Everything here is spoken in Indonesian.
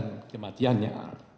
dan menyebabkan kematiannya